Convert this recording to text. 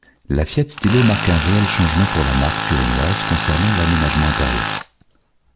La Fiat Stilo marque un réel changement pour la marque turinoise concernant l'aménagement intérieur.